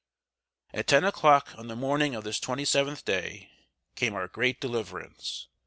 "] At ten o'clock on the morning of this twenty seventh day, came our great deliverance.